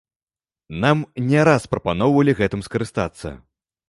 Нам не раз прапаноўвалі гэтым скарыстацца.